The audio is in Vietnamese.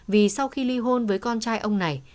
vì sau khi ly hôn với con trai ông này